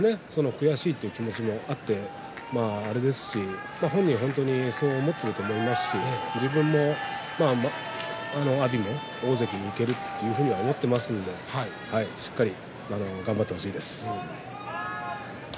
悔しいという気持ちもあってあれですし本人は本当にそう思っていると思いますし阿炎も大関にいけると自分も思っていますししっかりまだまだ頑張ってほしいです。